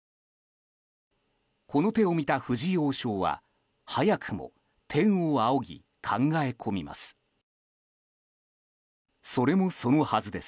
この手を見た藤井王将は早くも天を仰ぎ考え込みます。